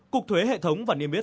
cục thuế hệ thống và niêm biết